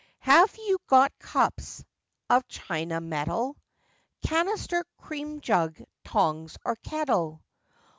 'Have you got cups of China mettle, Canister, cream jug, tongs, or kettle?